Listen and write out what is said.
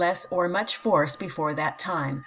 less or much force before that time. .